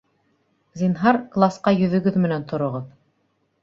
Зинһар, класҡа йөҙөгөҙ менән тороғоҙ